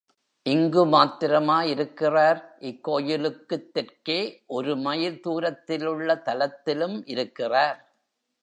இங்கு மாத்திரமா இருக்கிறார் இக்கோயிலுக்குத் தெற்கே ஒரு மைல் தூரத்திலுள்ள தலத்திலும் இருக்கிறார்.